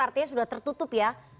artinya sudah tertutup ya